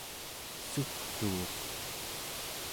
sugtuuq